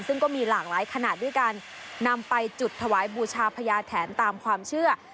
ซึ่งก็มีหลากหลายขนาดด้วยการนำไปจุดถวายบูชาพญาแถนตามความเชื่อ